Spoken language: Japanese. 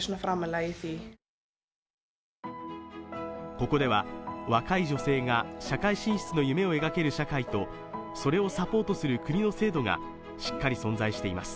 ここでは若い女性が社会進出の夢を描ける社会とそれをサポートする国の制度がしっかり存在しています